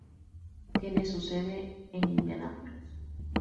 Tiene su sede en Indianápolis.